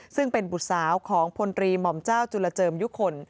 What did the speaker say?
ซึ่งเป็นบุตรสาวของพลตรีหม่อมเจ้าจุลเจิมยุคล